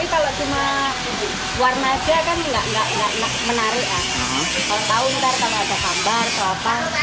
kalau tau ntar kalau ada gambar terapa ini bisa menarik